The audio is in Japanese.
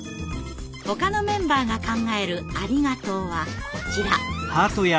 ほかのメンバーが考える「ありがとう」はこちら。